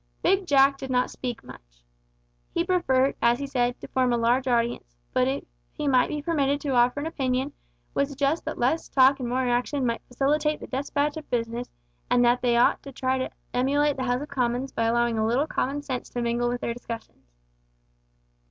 Big Jack did not speak much. He preferred, as he said, to form a large audience, but, if he might be permitted to offer an opinion, would suggest that less talk and more action might facilitate the despatch of business, and that they ought to try to emulate the House of Commons by allowing a little common sense to mingle with their discussions.